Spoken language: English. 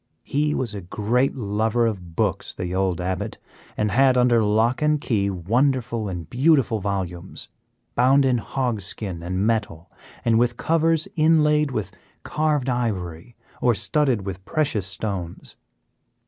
He was a great lover of books, the old Abbot, and had under lock and key wonderful and beautiful volumes, bound in hog skin and metal, and with covers inlaid with carved ivory, or studded with precious stones.